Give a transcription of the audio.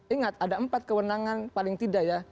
ingat ada empat kewenangan paling tidak ya